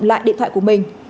lại điện thoại của mình